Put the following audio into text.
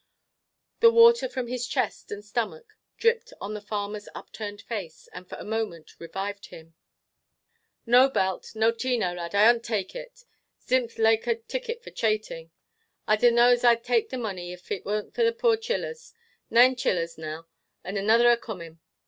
The water from his chest and stomach dripped on the farmer's upturned face, and for a moment revived him. "No belt, no tino lad, I 'ont tak' it. Zimth laike a ticket for chating. I dunno as I'd tak' the mony, if it warn't for the poor chillers, naine chillers now, and anither a coomin.